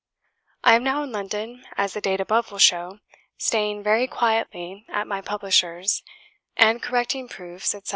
"I am now in London, as the date above will show; staying very quietly at my publisher's, and correcting proofs, etc.